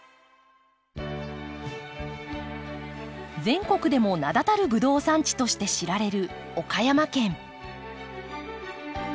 全国でも名だたるブドウ産地として知られる岡山県。